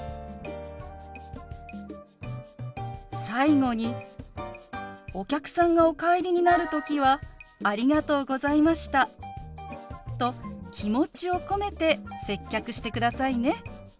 最後にお客さんがお帰りになる時は「ありがとうございました」と気持ちを込めて接客してくださいね。